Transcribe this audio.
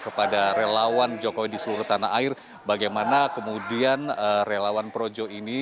kepada relawan jokowi di seluruh tanah air bagaimana kemudian relawan projo ini